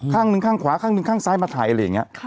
ข้างหนึ่งข้างขวาข้างหนึ่งข้างซ้ายมาถ่ายอะไรอย่างนี้